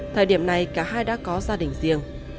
thời điểm này cả hai đã có gia đình riêng